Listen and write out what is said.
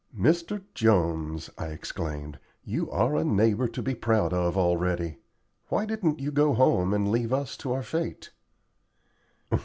"Mr. Jones," I exclaimed, "you are a neighbor to be proud of already. Why didn't you go home and leave us to our fate?"